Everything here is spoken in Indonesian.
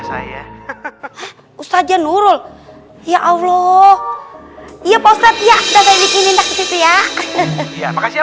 saya ustadz nurul ya allah iya pak ustadz ya udah bikinin tak disitu ya iya makasih ya